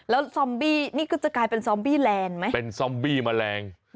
แล้วซอมบี้นี่ก็จะกลายเป็นซอมบี้แลนด์ไหมเป็นซอมบี้แมลง